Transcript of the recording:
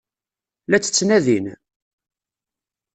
La tt-ttnadin?